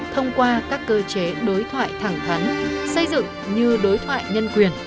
thông qua các cơ chế đối thoại thẳng thắn xây dựng như đối thoại nhân quyền